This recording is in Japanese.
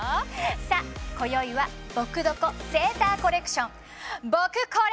さあこよいはぼくドコセーターコレクションぼくコレ！